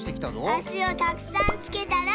あしをたくさんつけたら。